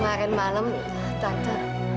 kemarin malem tante